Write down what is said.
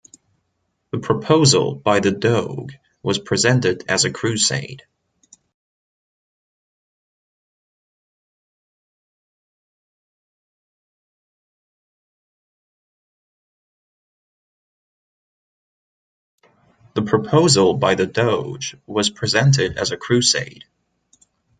The proposal by the doge was presented as a crusade.